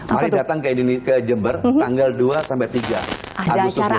mari datang ke jember tanggal dua sampai tiga agustus nanti